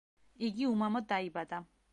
იგი უმამოდ დაიბადა.